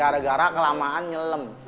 gara gara kelamaan nyelem